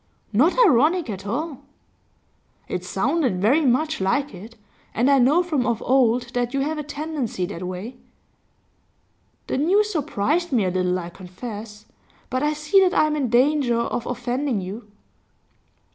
'Not ironic at all.' 'It sounded very much like it, and I know from of old that you have a tendency that way.' 'The news surprised me a little, I confess. But I see that I am in danger of offending you.